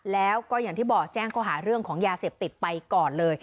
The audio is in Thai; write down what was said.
แล้วก็อย่างที่บอกแจ้งข้อหาเรื่องของยาเสพติดไปก่อนเลย